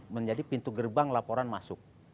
menjadi pintu gerbang laporan masuk